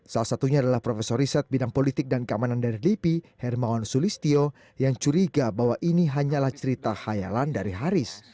salah satunya adalah profesor riset bidang politik dan keamanan dari lipi hermawan sulistio yang curiga bahwa ini hanyalah cerita khayalan dari haris